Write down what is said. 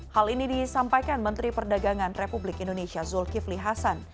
hal ini disampaikan menteri perdagangan republik indonesia zulkifli hasan